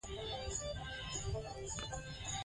ما د پروسس شوو خوړو په اړه مطالعه وکړه.